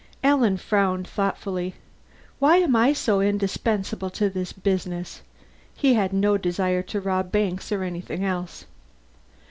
Alan frowned thoughtfully. "Why am I so indispensable to this business?" He had no desire to rob banks or anything else.